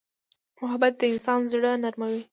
محبت د انسان زړه نرموي.